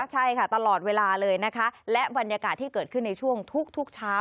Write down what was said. ใช่ค่ะตลอดเวลาเลยนะคะและบรรยากาศที่เกิดขึ้นในช่วงทุกเช้า